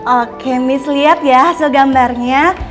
oke miss lihat ya hasil gambarnya